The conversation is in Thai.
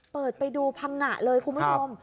เปิดไปดูพังงะเลยคุณผู้ชม